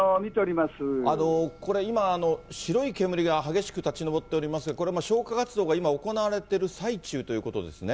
これ、今、白い煙が激しく立ち上っておりまして、これ、消火活動が今、行われている最中ということですね。